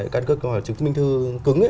căn cước chứng minh thư cứng